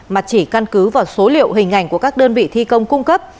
mà chỉ căn cứ vào số liệu hình ảnh của các đơn vị thi công cung cấp